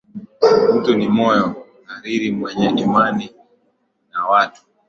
Mtu ni moyo hariri, mwenye imani na watu